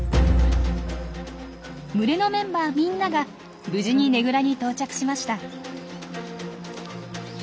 群れのメンバーみんなが無事にねぐらに到着しました。